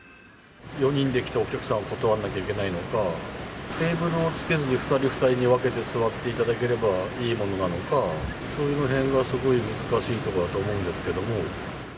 ４人で来たお客さんを断んなきゃいけないのか、テーブルをつけずに２人２人に分けて座っていただければいいものなのか、そのへんがすごい難しいところだと思うんですけども。